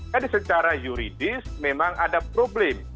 jadi secara juridis memang ada problem